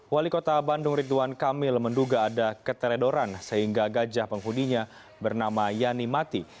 wali kota bandung ridwan kamil menduga ada keteledoran sehingga gajah penghuninya bernama yani mati